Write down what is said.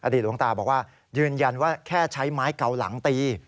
หลวงตาบอกว่ายืนยันว่าแค่ใช้ไม้เกาหลังตี